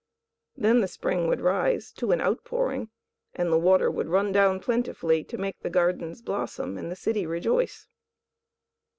Then the spring would rise to an outpouring, and the water would run down plentifully to make the gardens blossom and the city rejoice.